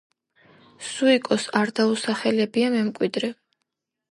სუიკოს არ დაუსახელებია მემკვიდრე.